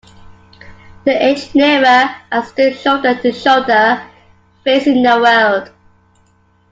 They edged nearer, and stood shoulder to shoulder facing their world.